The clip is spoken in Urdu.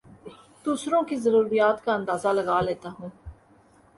دوسروں کی ضروریات کا اندازہ لگا لیتا ہوں